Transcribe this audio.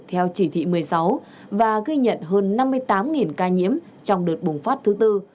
theo chỉ thị một mươi sáu và ghi nhận hơn năm mươi tám ca nhiễm trong đợt bùng phát thứ tư